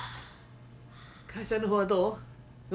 会社の方はどう？